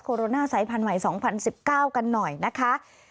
โคโรน่าไซด์ภัณฑ์ใหม่๒๐๑๙กันหน่อยนะคะ